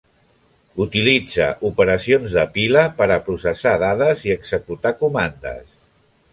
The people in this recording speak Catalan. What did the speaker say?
Utilitza operacions de pila per a processar dades i executar comandes.